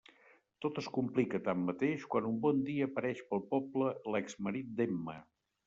Tot es complica, tanmateix, quan un bon dia apareix pel poble l'exmarit d'Emma.